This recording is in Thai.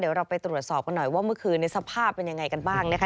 เดี๋ยวเราไปตรวจสอบกันหน่อยว่าเมื่อคืนในสภาพเป็นยังไงกันบ้างนะคะ